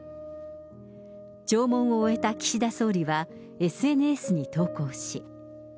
弔問を終えた岸田総理は、ＳＮＳに投稿し。